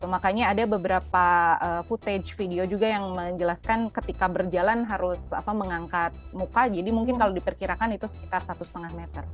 makanya ada beberapa footage video juga yang menjelaskan ketika berjalan harus mengangkat muka jadi mungkin kalau diperkirakan itu sekitar satu lima meter